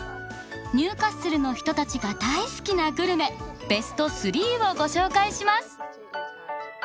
ニューカッスルの人たちが大好きなグルメベスト３をご紹介します。